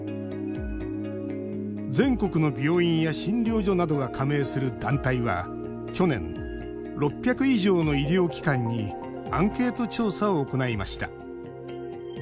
全国の病院や診療所などが加盟する団体は去年、６００以上の医療機関にアンケート調査を行いました。